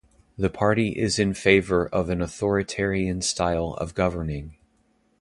The party is in favour of an authoritarian style of governing.